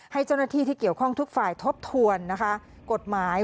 ให้เจ้าหน้าที่ที่เกี่ยวข้องทุกฝ่ายทบทวนนะคะกฎหมาย